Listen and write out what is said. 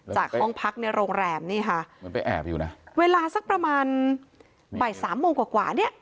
จากห้องพักในโรงแรมนี่ค่ะเวลาสักประมาณบ่ายสามโมงกว่าเนี่ย